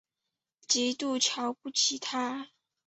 极度瞧不起他